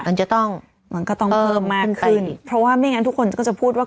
มันจะต้องมันก็ต้องเพิ่มมากขึ้นเพราะว่าไม่งั้นทุกคนก็จะพูดว่า